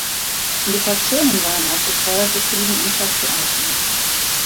Die Fraktionen waren aufgefordert, sich zu diesem Antrag zu äußern.